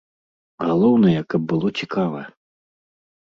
Галоўнае, каб было цікава.